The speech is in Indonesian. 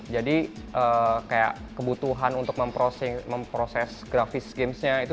jadi kayak kebutuhan untuk memproses grafis gamesnya itu